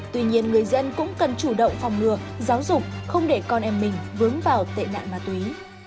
tuy nhiên người dân cũng cần chủ động phòng ngừa giáo dục không để con em mình vướng vào tệ nạn ma túy